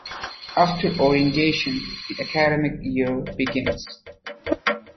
After Orientation, the academic year begins.